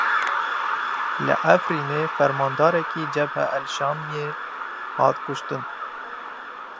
Li Efrînê fermandarekî Cebhe El Şamiyê hat kuştin.